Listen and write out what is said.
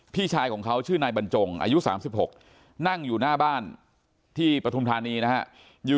พี่ชายของเขาชื่อนายบรรจงอายุ๓๖นั่งอยู่หน้าบ้านที่ปฐุมธานีนะฮะ